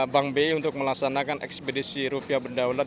bank bi untuk melaksanakan ekspedisi rupiah berdaulat